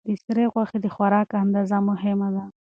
د سرې غوښې د خوراک اندازه مهمه ده.